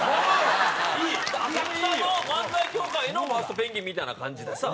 浅草の漫才協会の『ファーストペンギン！』みたいな感じでさ。